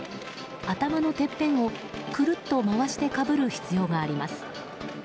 頭のてっぺんをくるっと回してかぶる必要があります。